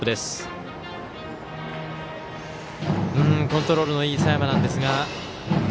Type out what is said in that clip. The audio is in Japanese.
コントロールのいい佐山なんですが。